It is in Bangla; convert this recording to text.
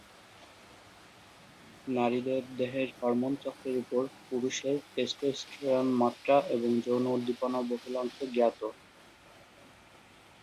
নারীদের দেহের হরমোন চক্রের উপর পুরুষের টেস্টোস্টেরন মাত্রা এবং যৌন উদ্দীপনা বহুলাংশে জ্ঞাত।